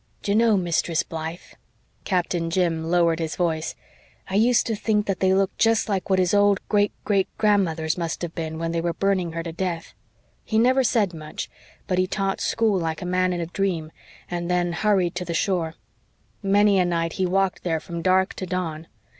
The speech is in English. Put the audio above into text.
D'ye know, Mistress Blythe" Captain Jim lowered his voice "I used to think that they looked just like what his old great great grandmother's must have been when they were burning her to death. He never said much but he taught school like a man in a dream and then hurried to the shore. Many a night he walked there from dark to dawn.